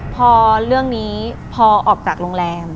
พอเรื่องนี้พอออกจากโรงแรม